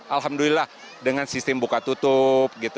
alhamdulillah dengan sistem buka tutup